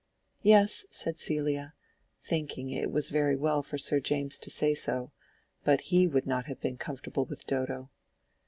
"Yes," said Celia, thinking it was very well for Sir James to say so, but he would not have been comfortable with Dodo.